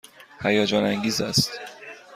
هیجان انگیز است.